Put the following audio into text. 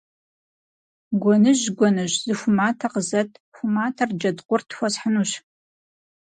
Гуэныжь, гуэныжь, зы ху матэ къызэт, ху матэр Джэдкъурт хуэсхьынущ.